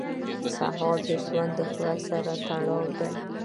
سهار د ژوند له خدای سره تړاو دی.